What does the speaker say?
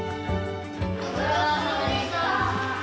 ご苦労さまでした。